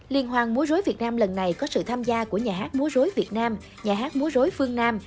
liên hoan múa rối việt nam lần này có sự tham gia của nhà hát múa rối việt nam nhà hát múa rối phương nam